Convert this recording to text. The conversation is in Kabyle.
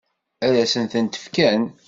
Ad sen-tent-fken?